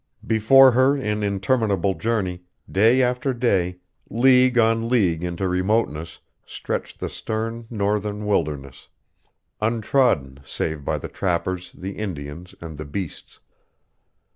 Before her in interminable journey, day after day, league on league into remoteness, stretched the stern Northern wilderness, untrodden save by the trappers, the Indians, and the beasts.